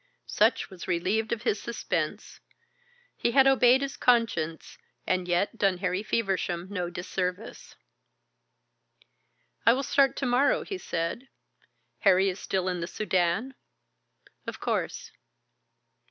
Sutch was relieved of his suspense. He had obeyed his conscience and yet done Harry Feversham no disservice. "I will start to morrow," he said. "Harry is still in the Soudan?" "Of course."